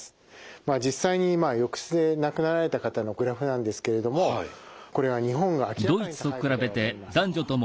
まあ実際に浴室で亡くなられた方のグラフなんですけれどもこれは日本が明らかに高いことが分かります。